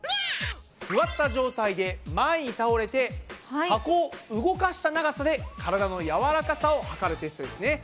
座った状態で前に倒れて箱を動かした長さで体の柔らかさを測るテストですね。